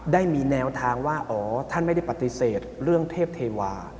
ได้มีแนวทางว่าอ๋อท่านไม่ได้ปฏิเสธเรื่องเทพเทวา